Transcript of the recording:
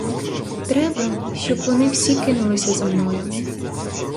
Треба, щоб вони всі кинулися за мною.